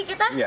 kak seta boleh